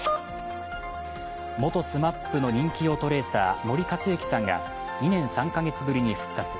元ＳＭＡＰの人気オートレーサー森且行さんが２年３か月ぶりに復活。